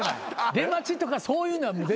出待ちとかそういうのは絶対。